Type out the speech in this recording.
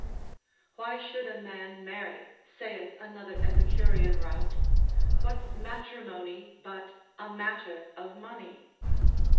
why should a man marry, saith another epicurean rout, what's matrimony but a matter of money?